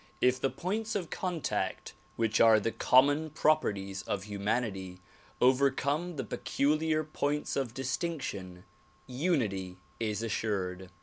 If the points of contact which are the common properties of humanity overcome the peculiar points of distinction, unity is assured.